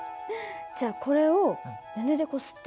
じゃあこれを布でこすって。